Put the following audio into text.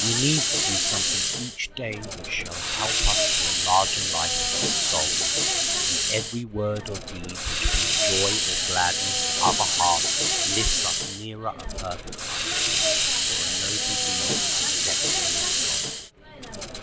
We need to do something each day that shall help us to a larger life of soul; and every word or deed which brings joy or gladness to other hearts lifts us nearer a perfect life; for a noble deed is a step toward God.